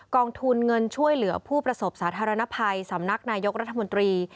องทุนเงินช่วยเหลือผู้ประสบสาธารณภัยสำนักนายกรัฐมนตรี